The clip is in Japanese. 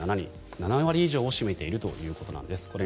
７割以上を占めているということなんです。